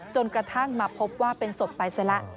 จนกระทั่งมาพบว่าเป็นศพไปซะละ